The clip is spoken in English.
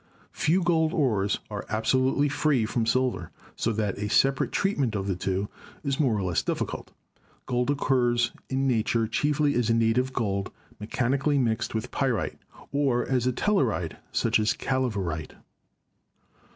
Few gold ores are absolutely free from silver, so that a separate treatment of the two is more or less difficult. Gold oc curs in nature chiefly as native gold, mechanically mixed with pyrite, or as a telluride such as calaverite.